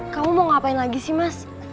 kamu mau ngapain lagi sih mas